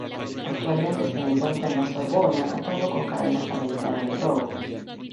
Actualmente se encuentra en la Sorbona, atado con cadenas para evitar el robo.